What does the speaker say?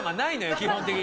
基本的に。